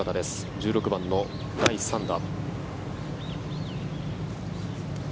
１６番の第３打。